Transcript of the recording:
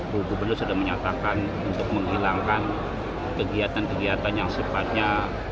buku buku belu sudah menyatakan untuk menghilangkan kegiatan kegiatan yang sempatnya